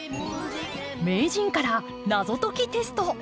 名人から謎解きテスト。